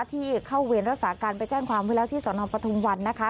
ที่เข้าเวรรักษาการไปแจ้งความไว้แล้วที่สนปทุมวันนะคะ